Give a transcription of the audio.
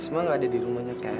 asma gak ada di rumahnya kevin